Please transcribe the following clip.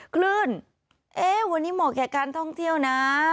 คลื่นวันนี้เหมาะแก่การท่องเที่ยวนะ